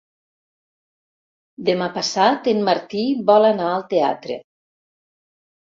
Demà passat en Martí vol anar al teatre.